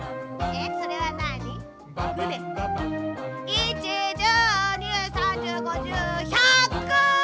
１１０２０３０５０１００！